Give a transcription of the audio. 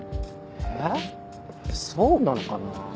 えそうなのかな？